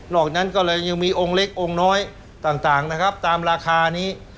อกนั้นก็เลยยังมีองค์เล็กองค์น้อยต่างนะครับตามราคานี้